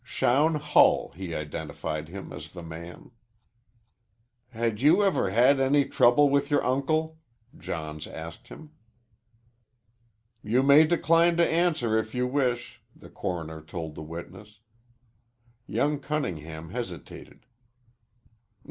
Shown Hull, he identified him as the man. "Had you ever had any trouble with your uncle?" Johns asked him. "You may decline to answer if you wish," the coroner told the witness. Young Cunningham hesitated.